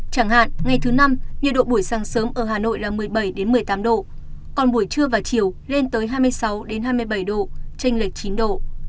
chẳng hạn ngày thứ năm nhiệt độ buổi sáng sớm ở hà nội là một mươi bảy một mươi tám độ còn buổi trưa và chiều lên tới hai mươi sáu hai mươi bảy độ tranh lệch chín độ